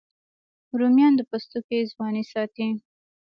رومیان د پوستکي ځواني ساتي